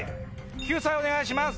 救済お願いします。